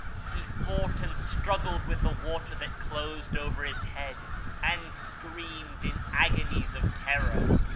He fought and struggled with the water that closed over his head, and screamed in agonies of terror.